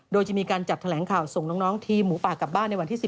โดยจะมีการจัดแถลงข่าวส่งน้องทีมหมูป่ากลับบ้านในวันที่๑๑